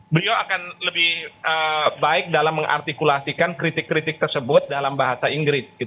beliau akan lebih baik dalam mengartikulasikan kritik kritik tersebut dalam bahasa inggris